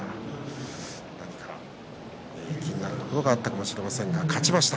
気になるところがあったかもしれませんが勝ちました。